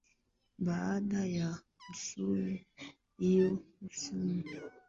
Baada ya msimu huu msimu mwengine hunaanza